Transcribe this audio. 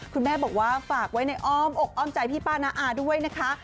คุณแม่บอกว่าฝากไว้ในอ้อมอกอ้อมใจพี่ป้าน้าอาด้วยนะคะ